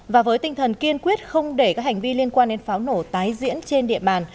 và với tinh thần kiên quyết không để các hành vi liên quan đến pháo nổ tái diễn trên địa bàn